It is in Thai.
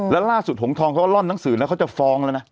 แล้วล่าสุดหงทองเขาก็ล่อนหนังสือแล้วเขาจะฟ้องแล้วนะ